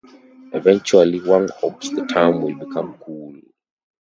Eventually Wang hopes the term will become cool.